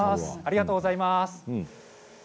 ありがとうございます。